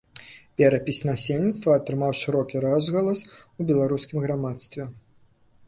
Перапіс насельніцтва атрымаў шырокі розгалас у беларускім грамадстве.